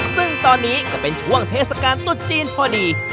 ซึ่งตอนนี้ก็เป็นช่วงเทศกาลตุดจีนพอดี